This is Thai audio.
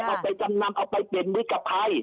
เอาไปไหนเอาไปจำนำเอาไปเป็นวิกภัย